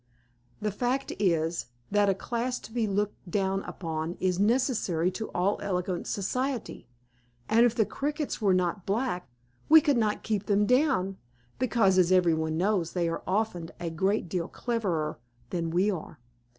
The fact is, that a class to be looked down upon is necessary to all elegant society, and if the Crickets were not black, we could not keep them down, because, as everybody knows, they are often a great deal cleverer than we are.